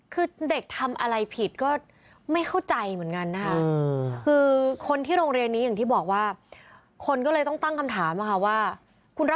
คือเด็กทำอะไรผิดก็ไม่เข้าใจเหมือนกันนะคะ